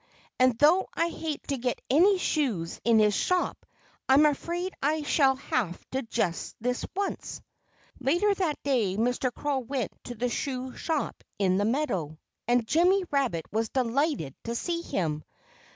And though I hate to get any shoes in his shop, I'm afraid I shall have to just this once." Later that day Mr. Crow went to the shoe shop in the meadow. And Jimmy Rabbit was delighted to see him.